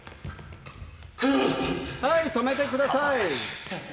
はい止めてください！